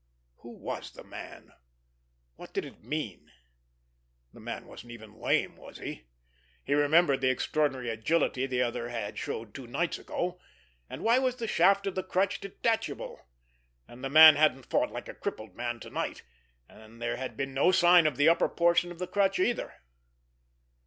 Who was the man? What did it mean? The man wasn't even lame, was he? He remembered the extraordinary agility the other had showed two nights ago—and why was the shaft of the crutch detachable?—and the man hadn't fought like a crippled man to night—and there had been no sign of the upper portion of the crutch, either!